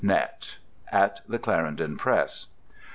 net. At the Clarendon Press."